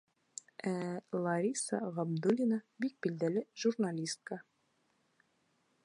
Ә Лариса Ғабдуллина бик билдәле журналистка.